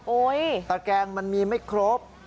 ตะแกงมันมีไม่ครบ